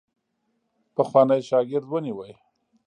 پخوانی شاګرد ونیوی.